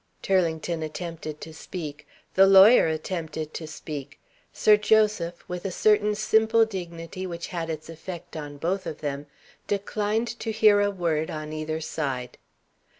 Turlington attempted to speak. The lawyer attempted to speak. Sir Joseph with a certain simple dignity which had its effect on both of them declined to hear a word on either side.